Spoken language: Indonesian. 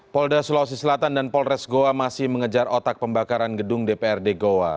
polda sulawesi selatan dan polres goa masih mengejar otak pembakaran gedung dprd goa